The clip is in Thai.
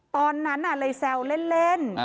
ตอนนั้นเลยแซวเล่น